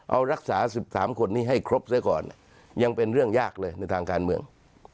เอารักษา๑๓คนนี้ให้ครบเสียก่อนยังเป็นเรื่องยากเลยในทางการเมือง